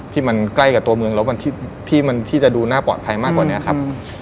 ที่มันใกล้กับตัวเมืองแล้วที่มันที่จะดูน่าปลอดภัยมากกว่านี้ครับ